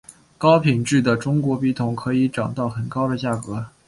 高品质的中国笔筒可以涨到很高的价格。